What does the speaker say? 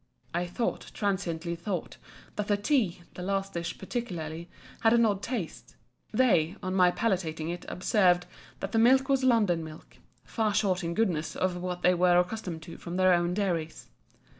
I thought, transiently thought, that the tea, the last dish particularly, had an odd taste. They, on my palating it, observed, that the milk was London milk; far short in goodness of what they were accustomed to from their own dairies.